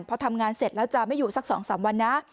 พอทำงานเสร็จแล้วจะไม่อยู่สัก๒๓วันนะ